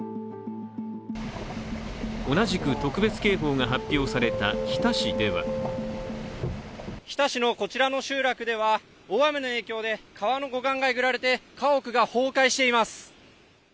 同じく特別警報が発表された日田市では日田市のこちらの集落では大雨の影響で川の護岸がえぐられて、家屋が崩壊しています。